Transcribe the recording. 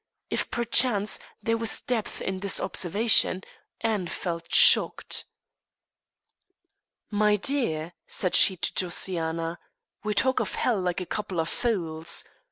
If, perchance, there was depth in the observation, Anne felt shocked. "My dear," said she to Josiana, "we talk of hell like a couple of fools.